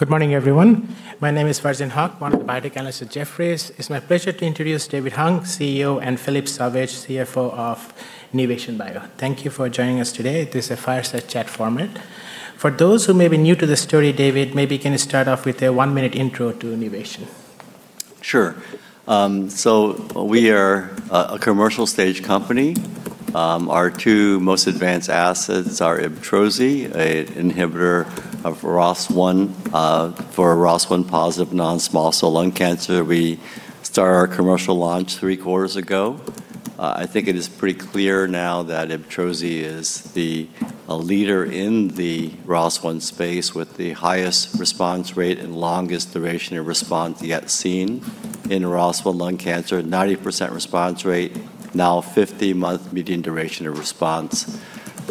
Good morning, everyone. My name is Farzin Haque, one of the Biotech Analysts at Jefferies. It's my pleasure to introduce David Hung, CEO, and Philippe Sauvage, CFO of Nuvation Bio. Thank you for joining us today. This is a fireside chat format. For those who may be new to the story, David, maybe can you start off with a one-minute intro to Nuvation? Sure. We are a commercial stage company. Our two most advanced assets are IBTROZI, a inhibitor of ROS1 for ROS1-positive non-small cell lung cancer. We started our commercial launch three quarters ago. I think it is pretty clear now that IBTROZI is the leader in the ROS1 space with the highest response rate and longest duration of response yet seen in ROS1 lung cancer, 90% response rate, now 50-month median duration of response.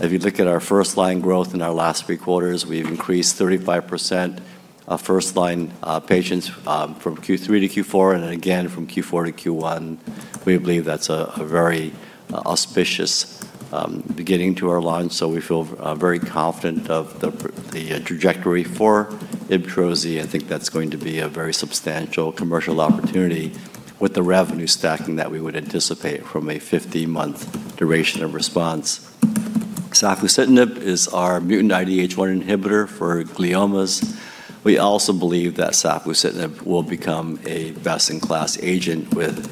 If you look at our first-line growth in our last three quarters, we've increased 35% first-line patients from Q3-Q4, and again from Q4-Q1. We believe that's a very auspicious beginning to our line, we feel very confident of the trajectory for IBTROZI. I think that's going to be a very substantial commercial opportunity with the revenue stacking that we would anticipate from a 50-month duration of response. Safusidenib is our mutant IDH1 inhibitor for gliomas. We also believe that safusidenib will become a best-in-class agent with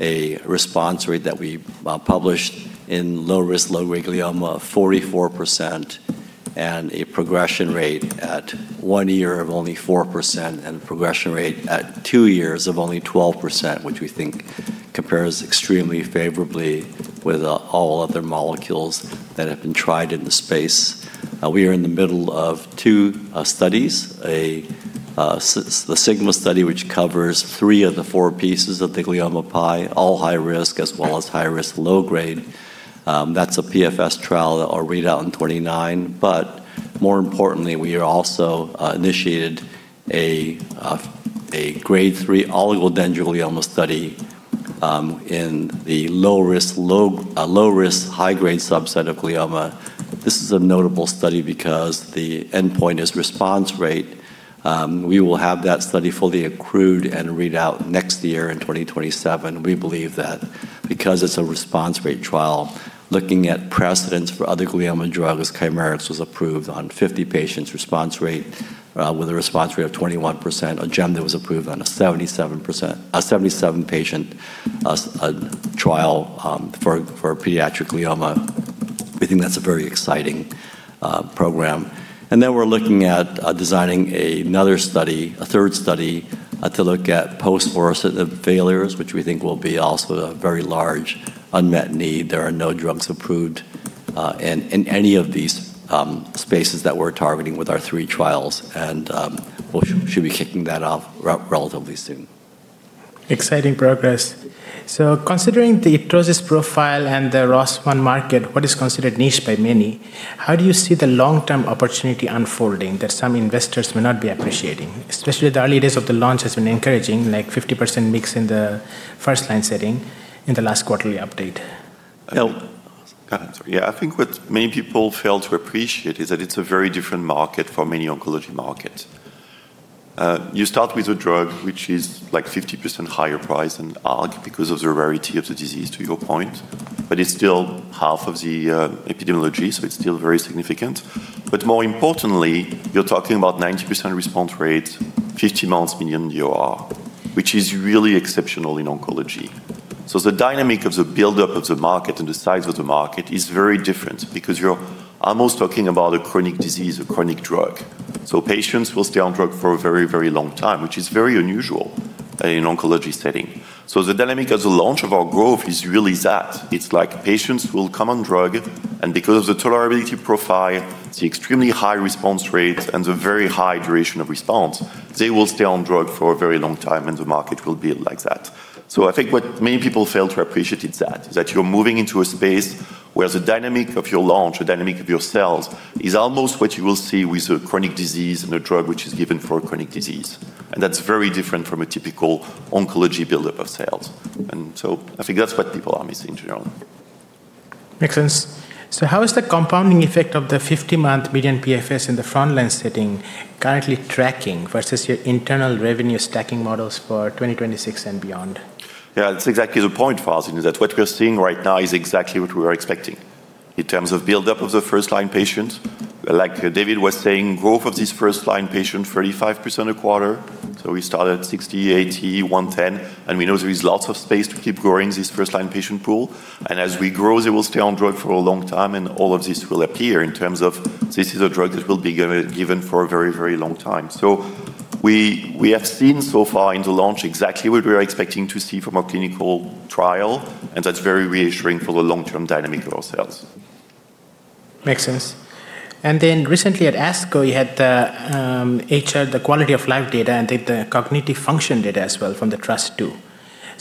a response rate that we published in low risk, low-grade glioma of 44%, and a progression rate at one year of only 4%, and a progression rate at two years of only 12%, which we think compares extremely favorably with all other molecules that have been tried in the space. We are in the middle of two studies, the SIGMA study, which covers three of the four pieces of the glioma pie, all high risk, as well as high risk, low grade. That's a PFS trial that will read out in 2029. More importantly, we also initiated a grade III oligodendroglioma study in the low risk, high grade subset of glioma. This is a notable study because the endpoint is response rate. We will have that study fully accrued and read out next year in 2027. We believe that because it's a response rate trial, looking at precedents for other glioma drugs, KYMRIAH was approved on 50 patients, with a response rate of 21%. OJEMDA was approved on a 77-patient trial for pediatric glioma. We think that's a very exciting program. We're looking at designing another study, a third study, to look at post-recurrence failures, which we think will be also a very large unmet need. There are no drugs approved in any of these spaces that we're targeting with our three trials. We should be kicking that off relatively soon. Exciting progress. Considering the IBTROZI's profile and the ROS1 market, what is considered niche by many, how do you see the long-term opportunity unfolding that some investors may not be appreciating? Especially the early days of the launch has been encouraging, like 50% mix in the first-line setting in the last quarterly update. I'll answer. I think what many people fail to appreciate is that it's a very different market for many oncology markets. You start with a drug which is 50% higher price than ALK because of the rarity of the disease, to your point, It's still half of the epidemiology, it's still very significant. More importantly, you're talking about 90% response rate, 50 months median DOR, which is really exceptional in oncology. The dynamic of the buildup of the market and the size of the market is very different because you're almost talking about a chronic disease, a chronic drug. Patients will stay on drug for a very, very long time, which is very unusual in an oncology setting. The dynamic of the launch of our growth is really that. It's like patients will come on drug, and because of the tolerability profile, the extremely high response rates, and the very high duration of response, they will stay on drug for a very long time, and the market will build like that. I think what many people fail to appreciate is that you're moving into a space where the dynamic of your launch, the dynamic of your sales, is almost what you will see with a chronic disease and a drug which is given for a chronic disease. That's very different from a typical oncology buildup of sales. I think that's what people are missing in general. Makes sense. How is the compounding effect of the 50-month median PFS in the front-line setting currently tracking versus your internal revenue stacking models for 2026 and beyond? Yeah, that's exactly the point, Farzin, is that what we're seeing right now is exactly what we were expecting. In terms of buildup of the first-line patients, like David was saying, growth of this first-line patient, 35% a quarter. We start at 60%, 80%, 110%. We know there is lots of space to keep growing this first-line patient pool. As we grow, they will stay on drug for a long time and all of this will appear in terms of this is a drug that will be given for a very, very long time. We have seen so far in the launch exactly what we were expecting to see from a clinical trial, and that's very reassuring for the long-term dynamic of our sales. Makes sense. Recently at ASCO, you had the HR, the quality of life data, and the cognitive function data as well from the TRUST-II.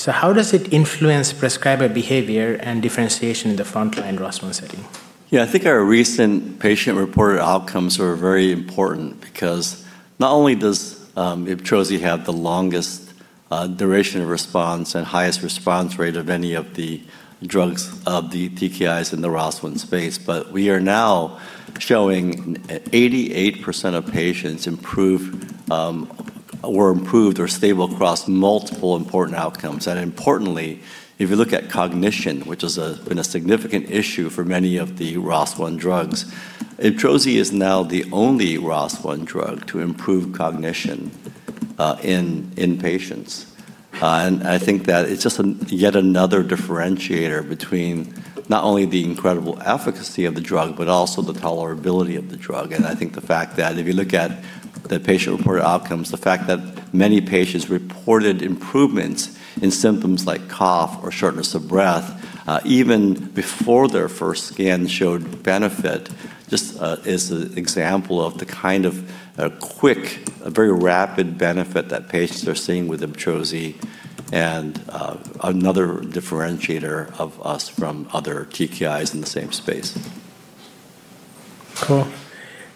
How does it influence prescriber behavior and differentiation in the front-line ROS1 setting? Yeah, I think our recent patient-reported outcomes were very important because not only does IBTROZI have the longest duration of response and highest response rate of any of the drugs of the TKIs in the ROS1 space. We are now showing 88% of patients were improved or stable across multiple important outcomes. Importantly, if you look at cognition, which has been a significant issue for many of the ROS1 drugs, IBTROZI is now the only ROS1 drug to improve cognition in patients. I think that it's just yet another differentiator between not only the incredible efficacy of the drug, but also the tolerability of the drug. I think the fact that if you look at the patient-reported outcomes, the fact that many patients reported improvements in symptoms like cough or shortness of breath, even before their first scan showed benefit, just is an example of the kind of quick, very rapid benefit that patients are seeing with IBTROZI and another differentiator of us from other TKIs in the same space. Cool.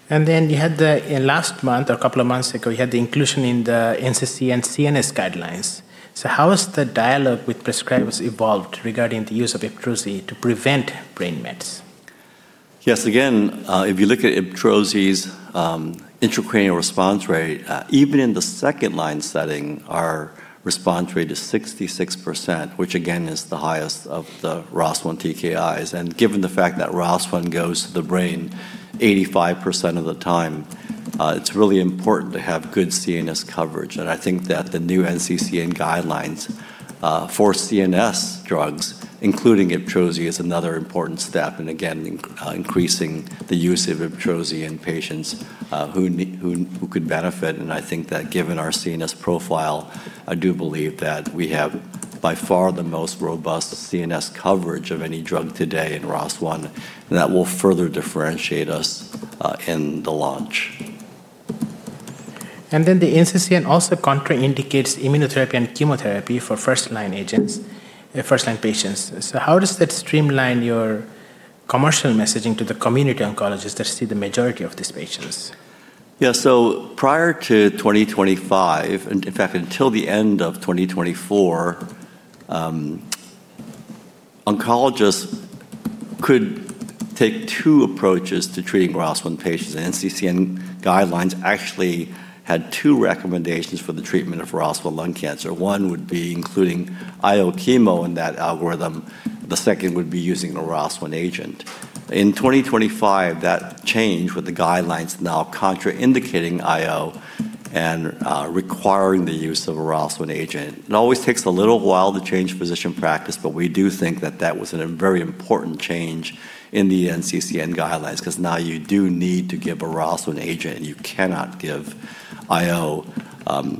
You had the last month or a couple of months ago, you had the inclusion in the NCCN CNS guidelines. How has the dialogue with prescribers evolved regarding the use of IBTROZI to prevent brain mets? Yes again, if you look at IBTROZI's intracranial response rate, even in the second-line setting, our response rate is 66%, which again, is the highest of the ROS1 TKIs. Given the fact that ROS1 goes to the brain 85% of the time, it's really important to have good CNS coverage. I think that the new NCCN guidelines for CNS drugs, including IBTROZI, is another important step and again, increasing the use of IBTROZI in patients who could benefit. I think that given our CNS profile, I do believe that we have by far the most robust CNS coverage of any drug today in ROS1, and that will further differentiate us in the launch. The NCCN also contraindicates immunotherapy and chemotherapy for first-line agents in first-line patients. How does that streamline your commercial messaging to the community oncologists that see the majority of these patients? Prior to 2025, in fact, until the end of 2024, oncologists could take two approaches to treating ROS1 patients, and NCCN guidelines actually had two recommendations for the treatment of ROS1 lung cancer. One would be including IO chemo in that algorithm. The second would be using a ROS1 agent. In 2025, that changed with the guidelines now contraindicating IO and requiring the use of a ROS1 agent. It always takes a little while to change physician practice, we do think that that was a very important change in the NCCN guidelines because now you do need to give a ROS1 agent, and you cannot give IO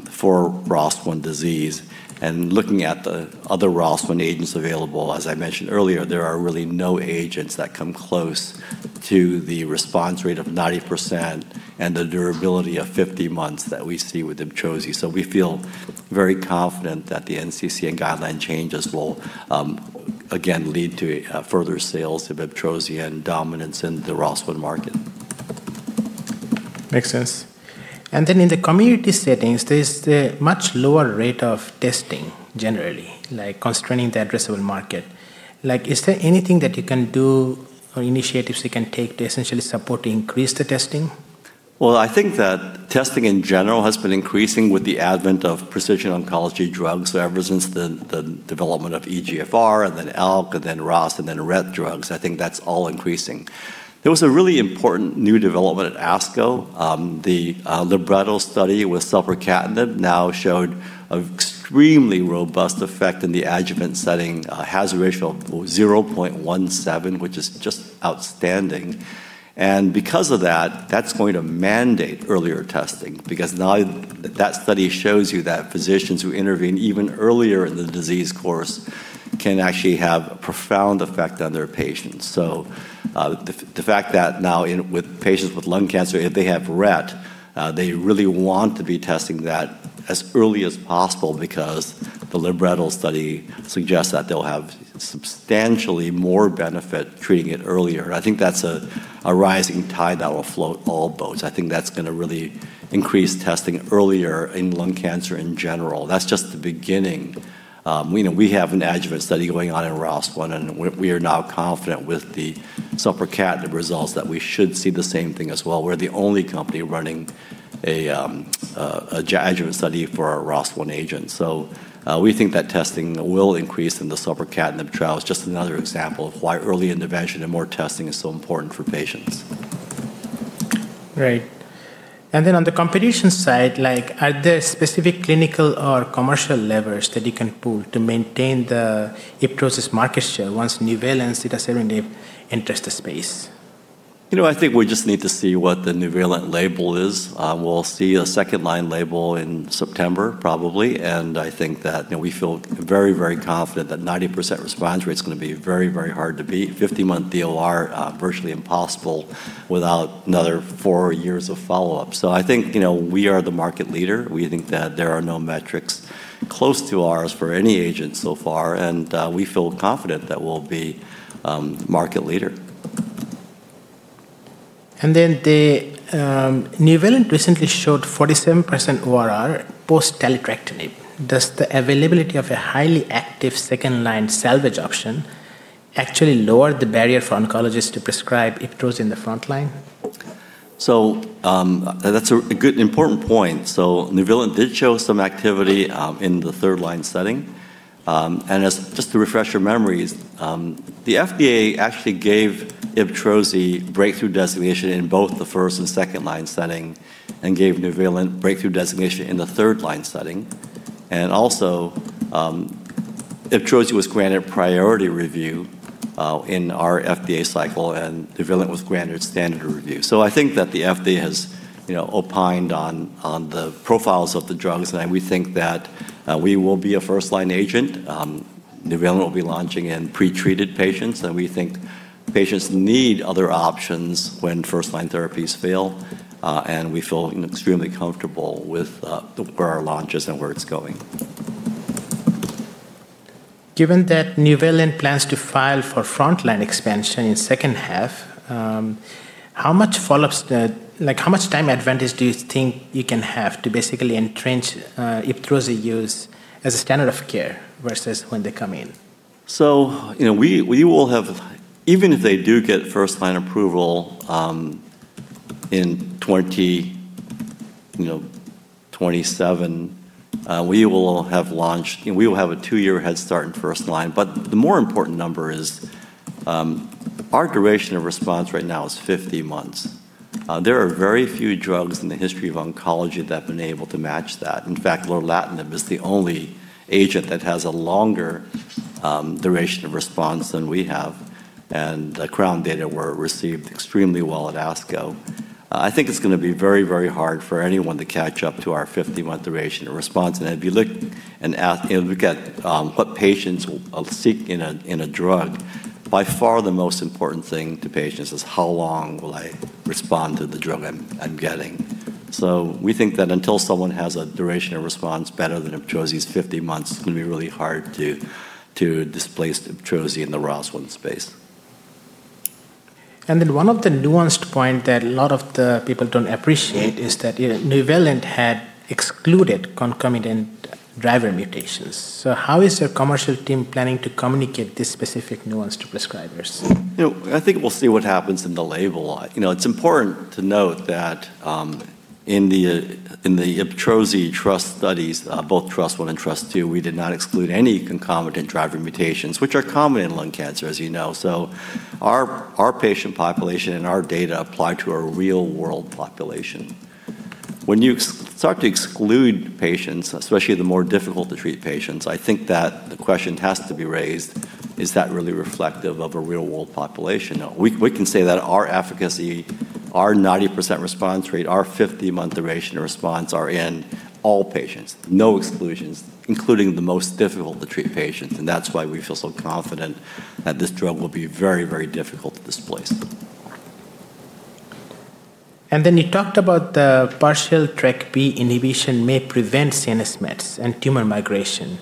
for ROS1 disease. Looking at the other ROS1 agents available, as I mentioned earlier, there are really no agents that come close to the response rate of 90% and the durability of 50 months that we see with IBTROZI. We feel very confident that the NCCN guideline changes will, again, lead to further sales of IBTROZI and dominance in the ROS1 market. Makes sense. In the community settings, there's the much lower rate of testing generally, like constraining the addressable market. Is there anything that you can do or initiatives you can take to essentially support to increase the testing? Well, I think that testing in general has been increasing with the advent of precision oncology drugs ever since the development of EGFR and then ALK and then ROS and then RET drugs. I think that's all increasing. There was a really important new development at ASCO. The LIBRETTO study with selpercatinib now showed an extremely robust effect in the adjuvant setting, a hazard ratio of 0.17, which is just outstanding. Because of that's going to mandate earlier testing, because now that study shows you that physicians who intervene even earlier in the disease course can actually have a profound effect on their patients. The fact that now with patients with lung cancer, if they have RET, they really want to be testing that as early as possible because the LIBRETTO study suggests that they'll have substantially more benefit treating it earlier. I think that's a rising tide that will float all boats. I think that's going to really increase testing earlier in lung cancer in general. That's just the beginning. We have an adjuvant study going on in ROS1, and we are now confident with the selpercatinib results that we should see the same thing as well. We're the only company running an adjuvant study for a ROS1 agent. We think that testing will increase in the selpercatinib trial. It's just another example of why early intervention and more testing is so important for patients. Right. On the competition side, are there specific clinical or commercial levers that you can pull to maintain the IBTROZI's market share once NUV-868 and [inaudible] enter the space? I think we just need to see what the NUV-868 label is. We'll see a second-line label in September, probably. I think that we feel very, very confident that 90% response rate is going to be very, very hard to beat. 50-month DOR, virtually impossible without another four years of follow-up. I think we are the market leader. We think that there are no metrics close to ours for any agent so far, and we feel confident that we'll be the market leader NUV-1511 recently showed 47% ORR post taletrectinib. Does the availability of a highly active second-line salvage option actually lower the barrier for oncologists to prescribe IBTROZI in the front line? That's a good, important point. NUV-1511 did show some activity in the third-line setting. Just to refresh your memories, the FDA actually gave IBTROZI breakthrough designation in both the first and second-line setting and gave NUV-1511 breakthrough designation in the third-line setting. Also, IBTROZI was granted priority review in our FDA cycle, and NUV-1511 was granted standard review. I think that the FDA has opined on the profiles of the drugs, and we think that we will be a first-line agent. NUV-1511 will be launching in pretreated patients, and we think patients need other options when first-line therapies fail. We feel extremely comfortable with where our launch is and where it's going. Given that NUV-1511 plans to file for front-line expansion in second half, how much time advantage do you think you can have to basically entrench IBTROZI use as a standard of care versus when they come in? Even if they do get first-line approval in 2027, we will have a two-year head start in first line. The more important number is our duration of response right now is 50 months. There are very few drugs in the history of oncology that have been able to match that. In fact, lorlatinib is the only agent that has a longer duration of response than we have, and the CROWN data were received extremely well at ASCO. I think it's going to be very hard for anyone to catch up to our 50-month duration of response. If you look at what patients will seek in a drug, by far the most important thing to patients is how long will I respond to the drug I'm getting? We think that until someone has a duration of response better than IBTROZI's 50 months, it's going to be really hard to displace IBTROZI in the ROS1 space. One of the nuanced point that a lot of the people don't appreciate is that NUV-1511 had excluded concomitant driver mutations. How is your commercial team planning to communicate this specific nuance to prescribers? I think we'll see what happens in the label. It's important to note that in the IBTROZI TRUST studies, both TRUST-I and TRUST-II, we did not exclude any concomitant driver mutations, which are common in lung cancer, as you know. Our patient population and our data apply to a real-world population. When you start to exclude patients, especially the more difficult to treat patients, I think that the question has to be raised, is that really reflective of a real-world population, though? We can say that our efficacy, our 90% response rate, our 50-month duration of response are in all patients, no exclusions, including the most difficult to treat patients. That's why we feel so confident that this drug will be very difficult to displace. You talked about the partial TRK-B inhibition may prevent CNS mets and tumor migration.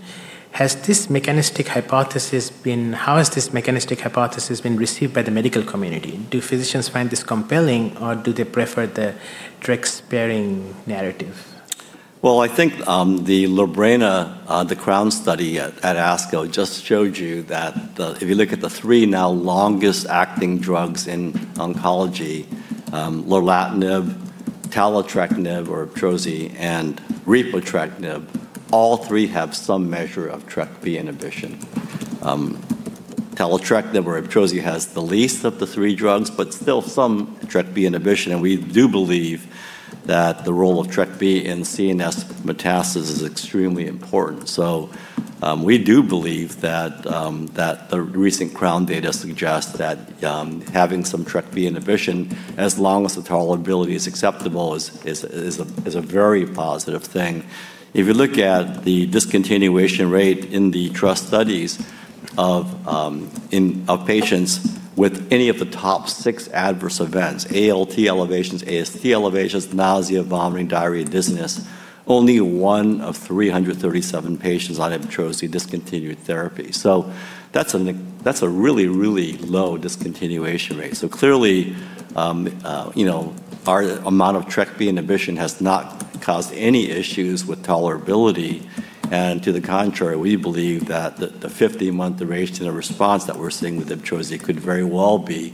How has this mechanistic hypothesis been received by the medical community? Do physicians find this compelling, or do they prefer the TRK sparing narrative? I think the LORBRENA, the CROWN study at ASCO just showed you that if you look at the three now longest acting drugs in oncology, lorlatinib, taletrectinib or IBTROZI, and repotrectinib, all three have some measure of TRK-B inhibition. Taletrectinib or IBTROZI has the least of the three drugs, but still some TRK-B inhibition. We do believe that the role of TRK-B in CNS metastasis is extremely important. We do believe that the recent CROWN data suggests that having some TRK-B inhibition, as long as the tolerability is acceptable, is a very positive thing. If you look at the discontinuation rate in the TRUST studies of patients with any of the top six adverse events, ALT elevations, AST elevations, nausea, vomiting, diarrhea, dizziness, only one of 337 patients on IBTROZI discontinued therapy. That's a really low discontinuation rate. Clearly, our amount of TRK-B inhibition has not caused any issues with tolerability. To the contrary, we believe that the 50-month duration of response that we're seeing with IBTROZI could very well be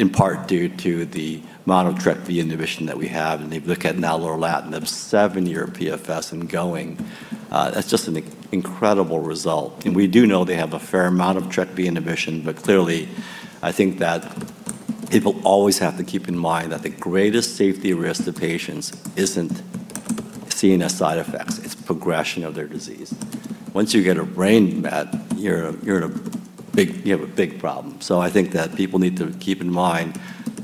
in part due to the amount of TRK-B inhibition that we have. If you look at now lorlatinib seven-year PFS and going, that's just an incredible result. We do know they have a fair amount of TRK-B inhibition, clearly, I think that people always have to keep in mind that the greatest safety risk to patients isn't CNS side effects, it's progression of their disease. Once you get a brain met, you have a big problem. I think that people need to keep in mind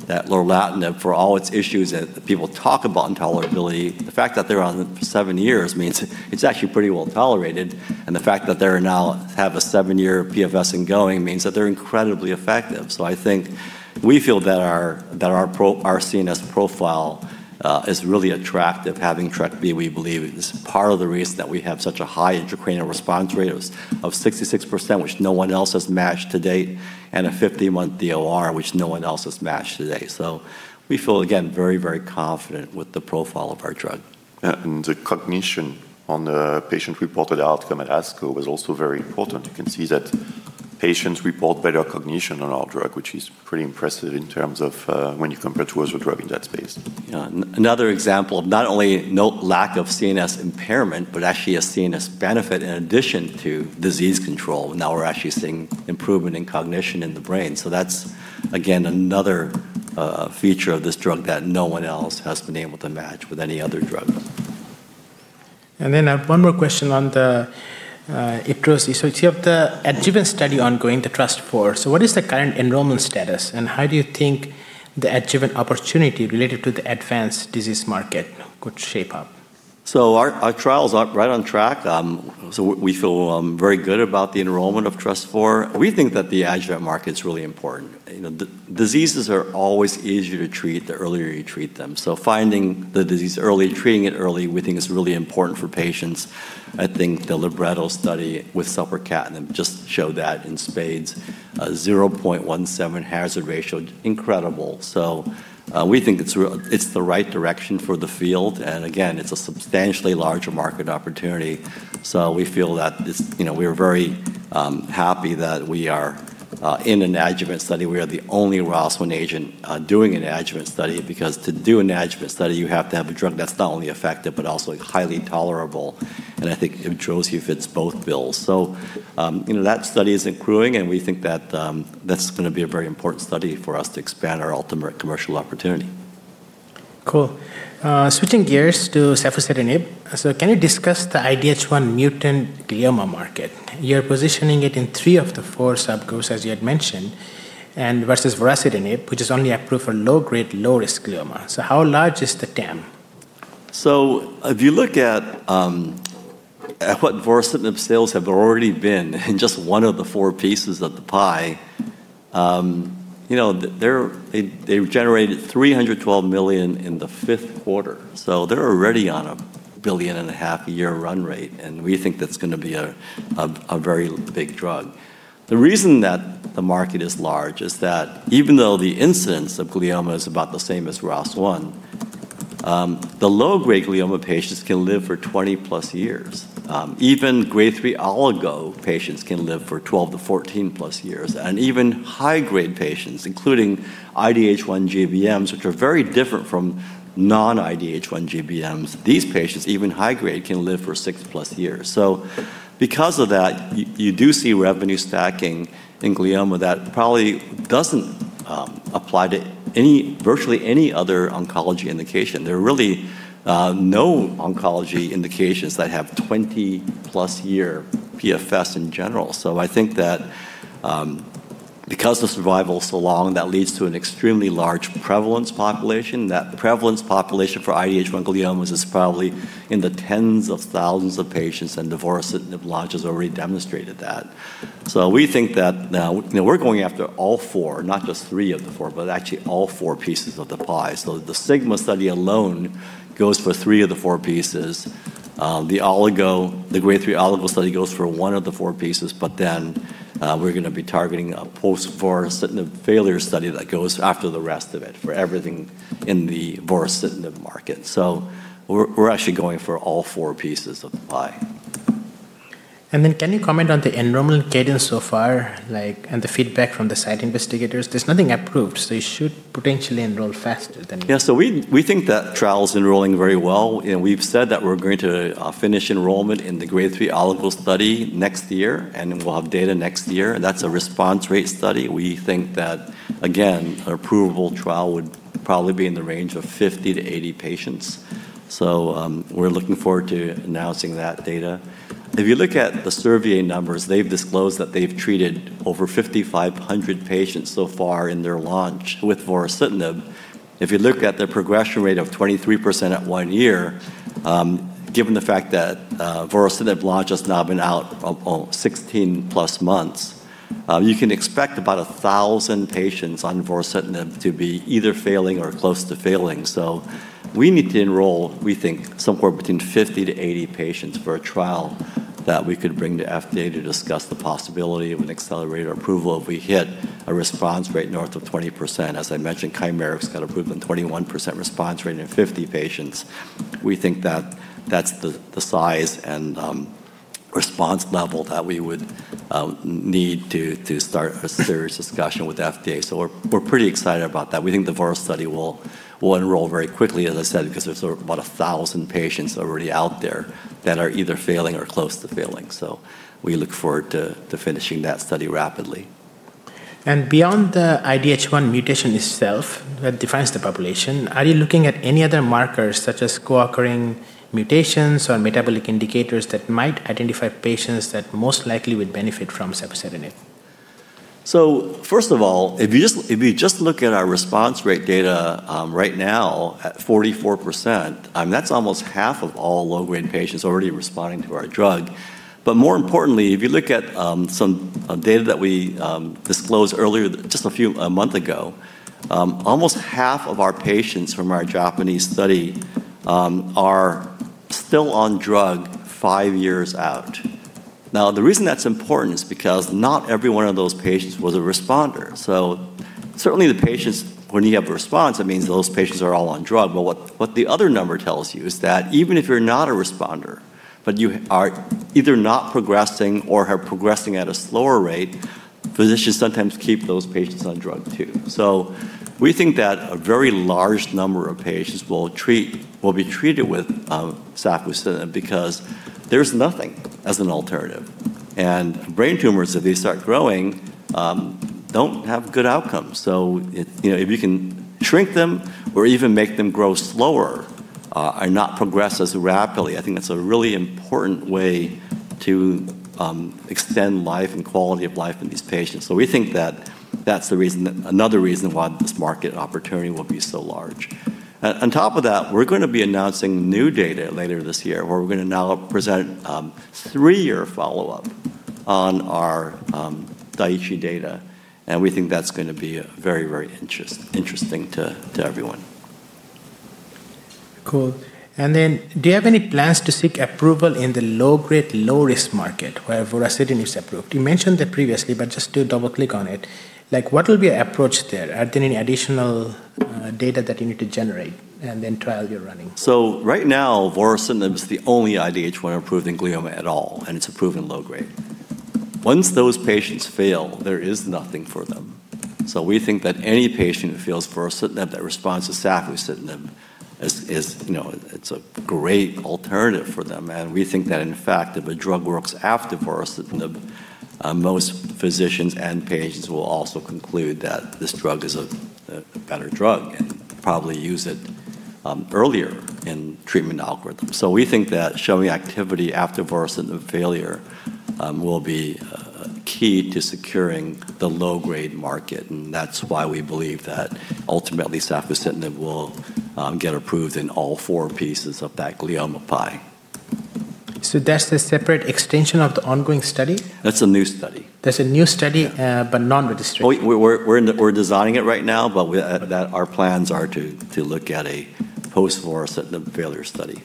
that lorlatinib, for all its issues that people talk about intolerability, the fact that they're on it for seven years means it's actually pretty well-tolerated, and the fact that they now have a seven year PFS and going means that they're incredibly effective. I think we feel that our CNS profile is really attractive. Having TRK-B, we believe, is part of the reason that we have such a high intracranial response rate of 66%, which no one else has matched to date, and a 50-month DOR, which no one else has matched to date. We feel, again, very confident with the profile of our drug. Yeah, the cognition on the patient-reported outcome at ASCO was also very important. Patients report better cognition on our drug, which is pretty impressive in terms of when you compare to other drugs in that space. Yeah. Another example of not only no lack of CNS impairment, but actually a CNS benefit in addition to disease control. Now we're actually seeing improvement in cognition in the brain. That's again, another feature of this drug that no one else has been able to match with any other drug. Then I have one more question on the IBTROZI. You have the adjuvant study ongoing, the TRUST-IV. What is the current enrollment status and how do you think the adjuvant opportunity related to the advanced disease market could shape up? Our trial's right on track. We feel very good about the enrollment of TRUST-IV. We think that the adjuvant market's really important. Diseases are always easier to treat the earlier you treat them. Finding the disease early, treating it early, we think is really important for patients. I think the LIBRETTO study with selpercatinib just showed that in spades. 0.17 hazard ratio, incredible. We think it's the right direction for the field. It's a substantially larger market opportunity, so we feel that we are very happy that we are in an adjuvant study. We are the only ROS1 agent doing an adjuvant study because to do an adjuvant study, you have to have a drug that's not only effective but also highly tolerable. I think IBTROZI fits both bills. That study is accruing, and we think that's going to be a very important study for us to expand our ultimate commercial opportunity. Cool. Switching gears to safusidenib. Can you discuss the IDH1 mutant glioma market? You're positioning it in three of the four subgroups, as you had mentioned, and versus vorasidenib, which is only approved for low-grade, low-risk glioma. How large is the TAM? If you look at what vorasidenib sales have already been in just one of the four pieces of the pie, they've generated $312 million in the fifth quarter. They're already on a $1.5 billion a year run rate, and we think that's going to be a very big drug. The reason that the market is large is that even though the incidence of glioma is about the same as ROS1, the low-grade glioma patients can live for 20+ years. Even grade III oligo patients can live for 12-14+ years. Even high-grade patients, including IDH1 GBMs, which are very different from non-IDH1 GBMs, these patients, even high grade, can live for 6+ years. Because of that, you do see revenue stacking in glioma that probably doesn't apply to virtually any other oncology indication. There are really no oncology indications that have 20+ year PFS in general. I think that because the survival is so long, that leads to an extremely large prevalence population. That prevalence population for IDH1 gliomas is probably in the tens of thousands of patients, and vorasidenib launch has already demonstrated that. We think that now we're going after all four, not just three of the four, but actually all four pieces of the pie. The SIGMA study alone goes for three of the four pieces. The grade III oligo study goes for one of the four pieces, we're going to be targeting a post-vorasidenib failure study that goes after the rest of it for everything in the vorasidenib market. We're actually going for all four pieces of the pie. Can you comment on the enrollment cadence so far, and the feedback from the site investigators? There's nothing approved, so you should potentially enroll faster. We think that trial's enrolling very well. We've said that we're going to finish enrollment in the grade III oligo study next year, we'll have data next year. That's a response rate study. We think that, again, an approvable trial would probably be in the range of 50-80 patients. We're looking forward to announcing that data. If you look at the Servier numbers, they've disclosed that they've treated over 5,500 patients so far in their launch with vorasidenib. If you look at their progression rate of 23% at one year, given the fact that vorasidenib launch has now been out 16+ months, you can expect about 1,000 patients on vorasidenib to be either failing or close to failing. We need to enroll, we think, somewhere between 50-80 patients for a phase that we could bring to FDA to discuss the possibility of an accelerated approval if we hit a response rate north of 20%. As I mentioned, Chimerix's got approval in 21% response rate in 50 patients. We think that that's the size and response level that we would need to start a serious discussion with FDA. We're pretty excited about that. We think the vora study will enroll very quickly, as I said, because there's about 1,000 patients already out there that are either failing or close to failing. We look forward to finishing that study rapidly. Beyond the IDH1 mutation itself that defines the population, are you looking at any other markers, such as co-occurring mutations or metabolic indicators that might identify patients that most likely would benefit from safusidenib? First of all, if you just look at our response rate data right now at 44%, that's almost half of all low-grade patients already responding to our drug. More importantly, if you look at some data that we disclosed earlier, just a month ago, almost half of our patients from our Japanese study are still on drug five years out. The reason that's important is because not every one of those patients was a responder. Certainly the patients, when you have a response, it means those patients are all on drug. What the other number tells you is that even if you're not a responder, but you are either not progressing or are progressing at a slower rate, physicians sometimes keep those patients on drug, too. We think that a very large number of patients will be treated with safusidenib because there's nothing as an alternative, and brain tumors, if they start growing, don't have good outcomes. If you can shrink them or even make them grow slower or not progress as rapidly, I think that's a really important way to extend life and quality of life in these patients. We think that that's another reason why this market opportunity will be so large. On top of that, we're going to be announcing new data later this year, where we're going to now present three year follow-up on our Daiichi data, and we think that's going to be very interesting to everyone. Cool. Do you have any plans to seek approval in the low-grade, low-risk market where vorasidenib is approved? You mentioned that previously, but just to double-click on it, what will be your approach there? Are there any additional data that you need to generate and then trial you're running? Right now, vorasidenib is the only IDH1 approved in glioma at all, and it's approved in low-grade. Once those patients fail, there is nothing for them. We think that any patient who fails vorasidenib that responds to safusidenib, it's a great alternative for them. We think that, in fact, if a drug works after vorasidenib, most physicians and patients will also conclude that this drug is a better drug and probably use it earlier in treatment algorithms. We think that showing activity after vorasidenib failure will be key to securing the low-grade market, and that's why we believe that ultimately safusidenib will get approved in all four pieces of that glioma pie. That's the separate extension of the ongoing study? That's a new study. That's a new study- Yeah. ...non-registration. We're designing it right now, but our plans are to look at a post-vorasidenib failure study.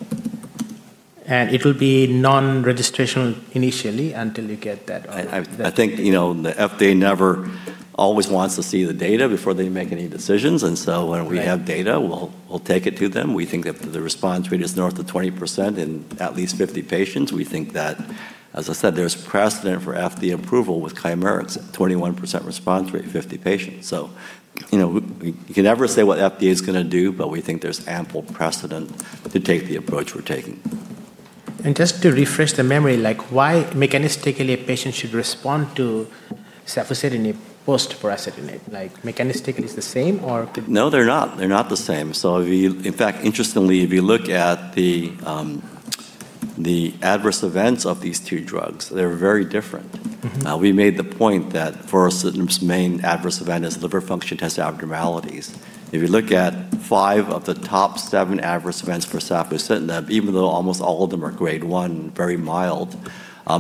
It will be non-registrational initially until you get that order? I think the FDA always wants to see the data before they make any decisions- Right. ...when we have data, we'll take it to them. We think if the response rate is north of 20% in at least 50 patients, we think that, as I said, there's precedent for FDA approval with Chimerix at 21% response rate at 50 patients. You can never say what FDA's going to do, but we think there's ample precedent to take the approach we're taking. Just to refresh the memory, why mechanistically a patient should respond to safusidenib post vorasidenib? Mechanistically it's the same or? No, they're not. They're not the same. In fact, interestingly, if you look at the adverse events of these two drugs, they're very different. We made the point that vorasidenib's main adverse event is liver function test abnormalities. If you look at five of the top seven adverse events for safusidenib, even though almost all of them are grade I, very mild,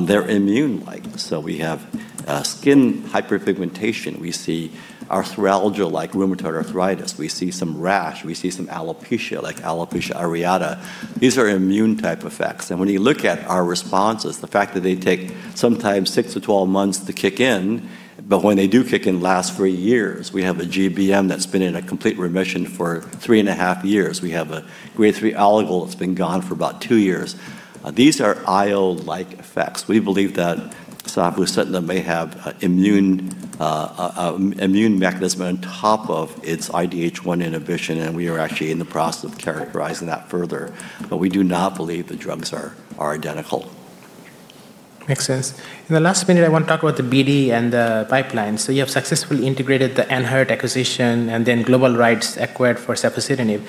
they're immune-like. We have skin hyperpigmentation. We see arthralgia like rheumatoid arthritis. We see some rash. We see some alopecia like alopecia areata. These are immune-type effects. When you look at our responses, the fact that they take sometimes 6-12 months to kick in, but when they do kick in, last for years. We have a GBM that's been in a complete remission for three and a half years. We have a grade III oligo that's been gone for about two years. These are IO-like effects. We believe that safusidenib may have an immune mechanism on top of its IDH1 inhibition, and we are actually in the process of characterizing that further. We do not believe the drugs are identical. Makes sense. In the last minute, I want to talk about the BD and the pipeline. You have successfully integrated the AnHeart acquisition and then global rights acquired for safusidenib.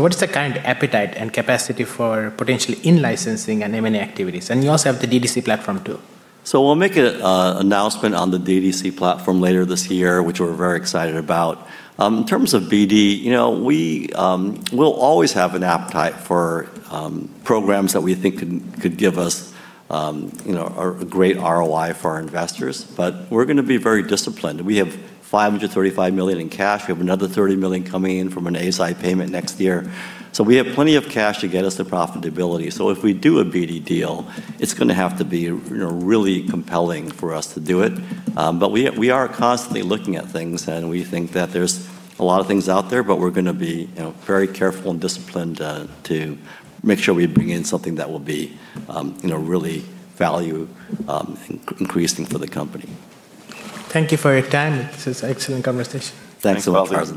What is the current appetite and capacity for potential in-licensing and M&A activities? You also have the DDC platform, too. We'll make an announcement on the DDC platform later this year, which we're very excited about. In terms of BD, we'll always have an appetite for programs that we think could give us a great ROI for our investors, but we're going to be very disciplined. We have $535 million in cash. We have another $30 million coming in from an ASI payment next year. We have plenty of cash to get us to profitability. If we do a BD deal, it's going to have to be really compelling for us to do it. We are constantly looking at things, and we think that there's a lot of things out there, but we're going to be very careful and disciplined to make sure we bring in something that will be really value-increasing for the company. Thank you for your time. This was an excellent conversation. Thanks so much, Farzin.